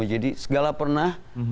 jadi segala pernah